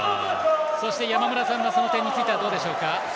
そして、山村さんはその点についてはどうでしょうか。